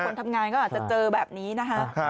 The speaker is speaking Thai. คนทำงานก็อาจจะเจอแบบนี้นะคะ